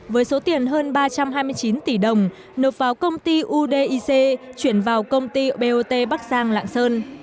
với số tiền hơn ba trăm hai mươi chín tỷ đồng nộp vào công ty udic chuyển vào công ty bot bắc giang lạng sơn